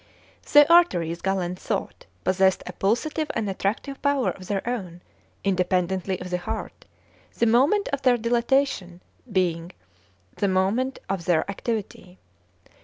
The arteries, Galen thought, possessed a pulsative and attractive power of their own, independently of the heart, the moment of their dilatation being the moment of their activity.